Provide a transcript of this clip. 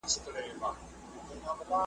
یو څه به پند وي یو څه عبرت دی .